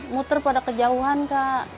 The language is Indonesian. muter pada kejauhan kak